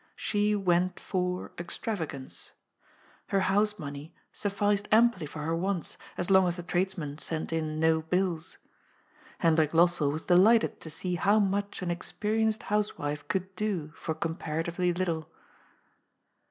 She "went for*' extravagance. Her "house money'* sufficed amply for her wants, as long as the tradesmen sent in no bills. Hendrik Lossell was delighted to see how much an expe rienced housewife could do for comparatively little.